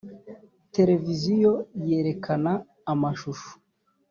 televiziyo yerekana amashusho.